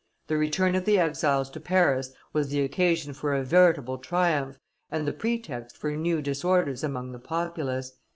The return of the exiles to Paris was the occasion for a veritable triumph and the pretext for new disorders among the populace.